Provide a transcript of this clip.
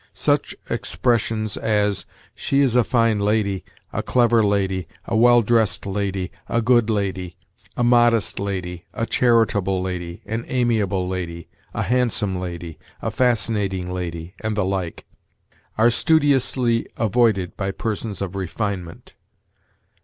Such expressions as "She is a fine lady, a clever lady, a well dressed lady, a good lady, a modest lady, a charitable lady, an amiable lady, a handsome lady, a fascinating lady," and the like, are studiously avoided by persons of refinement.